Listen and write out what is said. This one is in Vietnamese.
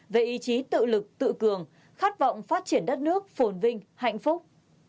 về ý chí tự lực tự cường khát vọng phát triển đất nước phồn vinh hạnh phúc